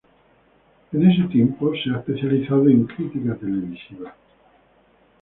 En ese tiempo se ha especializado en crítica televisiva.